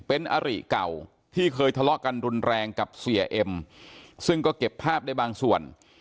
เป็นอริเก่าที่เคยทะเลาะกันรุนแรงกับเสียเอ็มซึ่งก็เก็บภาพได้บางส่วน